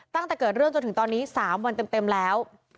ตั้งแต่เกิดเรื่องจนถึงตอนนี้๓วันเต็มแล้ว